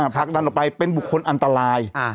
ผลักดันออกไปเป็นบุคคลอันตราย